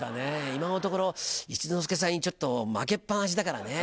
今のところ一之輔さんにちょっと負けっ放しだからね。